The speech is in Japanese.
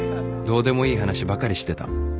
どうでもいい話ばかりしてた